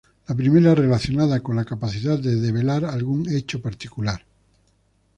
La primera, relacionada con la capacidad de develar algún hecho particular.